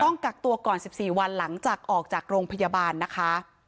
กักตัวก่อน๑๔วันหลังจากออกจากโรงพยาบาลนะคะ